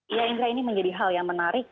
iya indra ini menjadi hal yang menarik